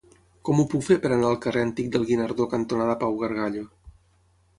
Com ho puc fer per anar al carrer Antic del Guinardó cantonada Pau Gargallo?